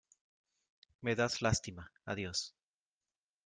Me das lástima. Adiós .